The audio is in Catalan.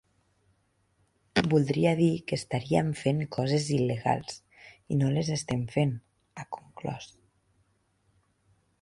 Voldria dir que estaríem fent coses il·legals, i no les estem fent, ha conclòs.